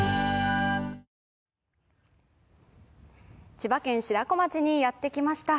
千葉県白子町にやってきました。